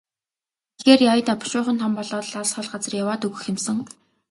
Тэгэхээр яая даа, бушуухан том болоод л алс хол газар яваад өгөх юм сан.